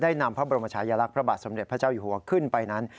นำพระบรมชายลักษณ์พระบาทสมเด็จพระเจ้าอยู่หัวขึ้นไปนั้น